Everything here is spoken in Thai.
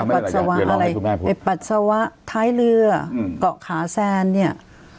ปัสสาวะอะไรไอ้ปัสสาวะท้ายเรือเกาะขาแซนเนี่ย